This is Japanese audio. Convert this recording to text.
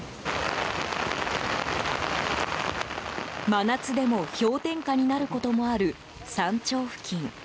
真夏でも氷点下になることもある山頂付近。